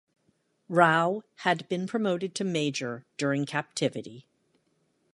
Rowe had been promoted to Major during captivity.